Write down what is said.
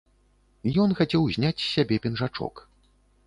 Ён хацеў зняць з сябе пінжачок.